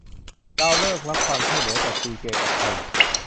ลาวเลิกรับความช่วยเหลือจัด "ซีเกมส์" จากไทย